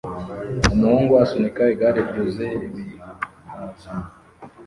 umuhungu asunika igare ryuzuye ibihaza